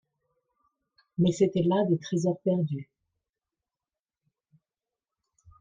Mais c'etaient là des tresors perdus.